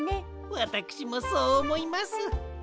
わたくしもそうおもいます。